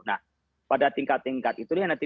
nah pada tingkat ini kita harus membuat perubatan